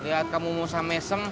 lihat kamu mau sameseng